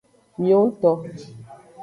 Miwongto.